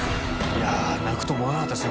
いやぁ泣くとは思わなかったですね